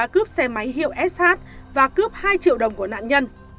cướp xe máy hiệu sh và cướp hai triệu đồng của nạn nhân